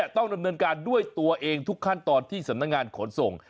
ต้องดำเนินการด้วยตัวเองทุกขั้นตอนที่สำนักงานขนส่ง